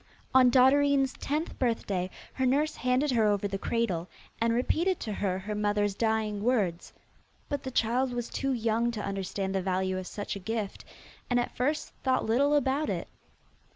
On Dotterine's tenth birthday her nurse handed her over the cradle, and repeated to her her mother's dying words; but the child was too young to understand the value of such a gift, and at first thought little about it.